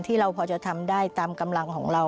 เราพอจะทำได้ตามกำลังของเรา